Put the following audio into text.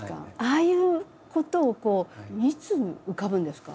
ああいうことをいつ浮かぶんですか？